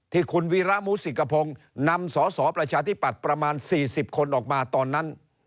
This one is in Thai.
ที่คุณวีระมุสิกพงศ์นำสสประชาธิปัตย์ประมาณ๔๐คนออกมาตอนนั้น